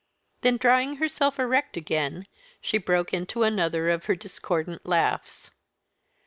Then, drawing herself erect again, she broke into another of her discordant laughs.